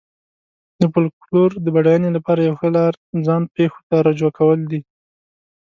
د فولکلور د بډاینې لپاره یوه ښه لار ځان پېښو ته رجوع کول دي.